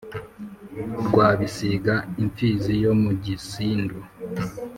rwabisiga, imfizi yo mu gisindu!